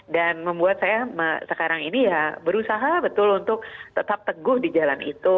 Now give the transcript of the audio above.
dan membuat saya sekarang ini ya berusaha betul untuk tetap teguh di jalan itu